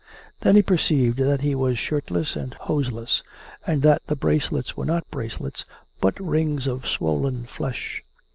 Then he perceived that he was shirtless and hoseless; and that the bracelets were not bracelets, but rings of swollen flesh.